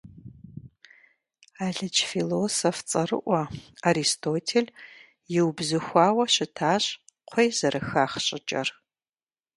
Алыдж философ цӀэрыӀуэ Аристотель иубзыхуауэ щытащ кхъуей зэрыхах щӀыкӀэр.